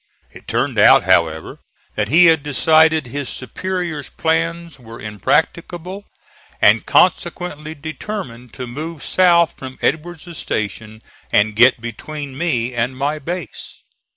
It turned out, however, that he had decided his superior's plans were impracticable, and consequently determined to move south from Edward's station and get between me and my base.